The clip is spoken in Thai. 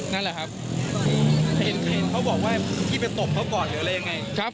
นั่นแหละครับเห็นเขาบอกว่าพี่ไปตบเขาก่อนหรืออะไรยังไง